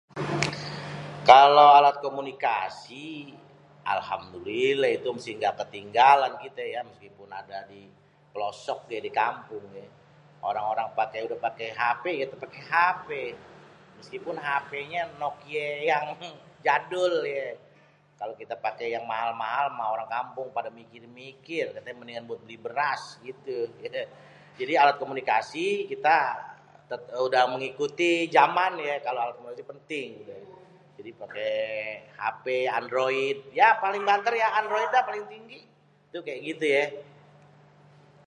Kalo alat komunikasi, alhamdulilléh itu sih ga ketinggalan kité yé, meskipun adé di pelosok, di kampung. Orang-orang udé paké hapé yé tétép paké hapé. Meskipun hapényé Nokia yang jadul. Kalo kité paké yang mahal-mahal mah orang kampung padé mikir-mikir méndingan buat beli beras gitu. Jadi alat komunikasi kité udé mengikuti jaman yé. Kalo alat komunikasi penting. Jadi pokoknyé hape android ya paling bantér ya android dah yang paling tinggi. Itu kaya gitu yé.